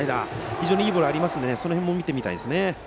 非常にいいボールがありますのでその辺も見てみたいですね。